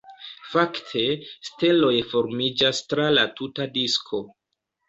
Fakte, steloj formiĝas tra la tuta disko.